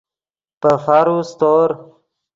پے فارو سیتور